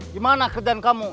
gimana kerjaan kamu